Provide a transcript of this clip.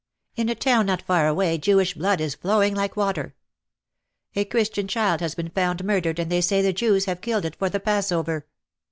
In a town not far away Jewish blood is flowing like water. A Christian child has been found murdered and they say the Jews have killed it for the Passover."